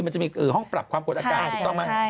มันจะมีห้องปรับความกดอากาศถูกต้องไหม